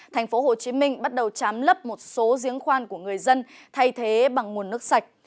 thành phố hồ chí minh bắt đầu chám lấp một số giếng khoan của người dân thay thế bằng nguồn nước sạch